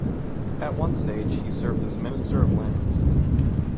At one stage he served as Minister of Lands.